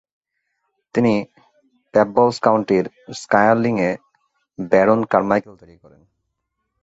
তিনি পেব্বলস কাউন্টির স্কায়ারলিং এ ব্যারন কারমাইকেল তিরী করেন।